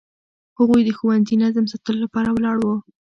هغوی د ښوونځي نظم ساتلو لپاره ولاړ وو.